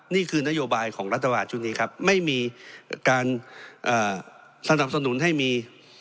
นี่คือนโยบายของรัฐบาลชุดนี้ครับไม่มีการสนับสนุนให้มี